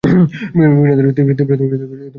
বিভিন্ন ধরনের তীব্র শব্দ ও শিস দিয়ে ডাকতে পারে।